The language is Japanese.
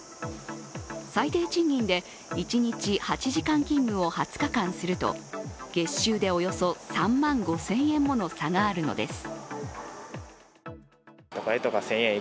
最低賃金で、一日８時間勤務を２０日間すると月収でおよそ３万５０００円もの差があるのです。